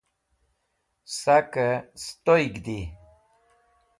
Sakey Sutoyg Di